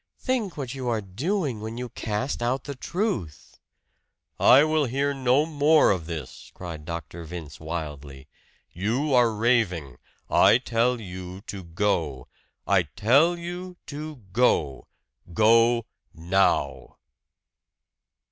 Think what you are doing when you cast out the truth!" "I will hear no more of this!" cried Dr. Vince wildly. "You are raving. I tell you to go! I tell you to go! Go now!"